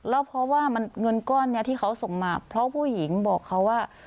แล้วเพราะว่าเงินก้อนนี้ที่เขาส่งมาเพราะผู้หญิงบอกเขาว่า